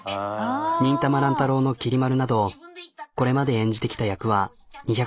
「忍たま乱太郎」のきり丸などこれまで演じてきた役は２００を超える。